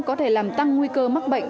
có thể làm tăng nguy cơ mắc bệnh